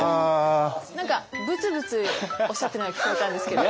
何かブツブツおっしゃってたのが聞こえたんですけど。